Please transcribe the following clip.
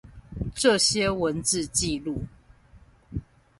這些文字紀錄